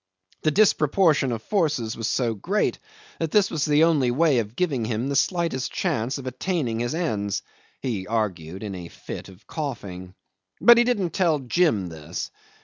The disproportion of forces was so great that this was the only way giving him the slightest chance of attaining his ends he argued in a fit of coughing. But he didn't tell Jim this.